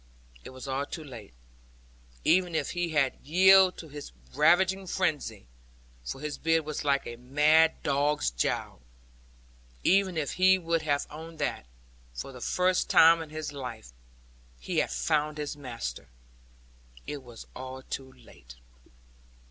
It was all too late. Even if he had yielded in his ravening frenzy for his beard was like a mad dog's jowl even if he would have owned that, for the first time in his life, he had found his master; it was all too late.